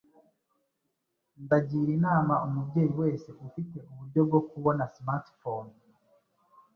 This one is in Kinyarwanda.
ndagira inama umubyeyi wese ufite uburyo bwo kubona smart phone